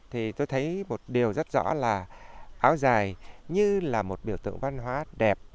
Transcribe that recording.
thì tôi thấy một điều rất rõ là áo dài như là một biểu tượng văn hóa đẹp